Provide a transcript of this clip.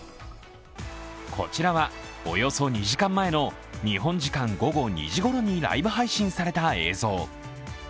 こちらはおよそ２時間前の日本時間午後２時ごろにライブ配信された映像。